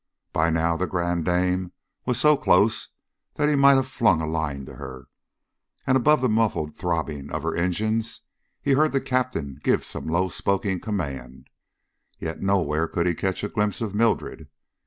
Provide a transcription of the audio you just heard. By now The Grande Dame was so close that he might have flung a line to her, and above the muffled throbbing of her engines he heard the captain give some low spoken command. Yet nowhere could he catch a glimpse of Mildred.